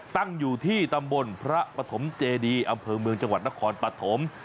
ตั้งอยู่ที่ตำบลพระปฐมเจดีอำเภอเมืองจังหวัดนครปฐม